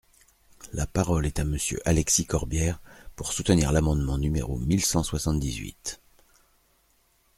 La parole est à Monsieur Alexis Corbière, pour soutenir l’amendement numéro mille cent soixante-dix-huit.